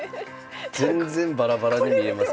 全然バラバラに見えますけども。